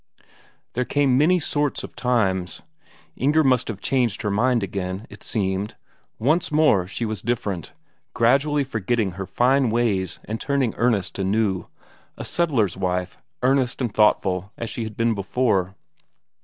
There came many sorts of times. Inger must have changed her mind again, it seemed; once more she was different, gradually forgetting her fine ways and turning earnest anew: a settler's wife, earnest and thoughtful as she had been before.